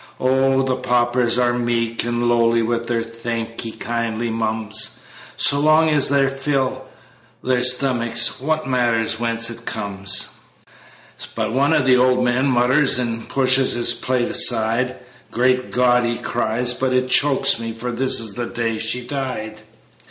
Oh, the paupers are meek and lowly With their "Thank'ee kindly, mum's" So long as they fill their stomachs, What matter it whence it comes? But one of the old men mutters, And pushes his plate aside: "Great God!" he cries; "but it chokes me! For this is the day she died."